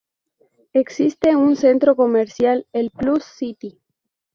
Existe un centro comercial, el Plus City.